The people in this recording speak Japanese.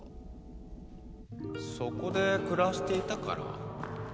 そこで暮らしていたから？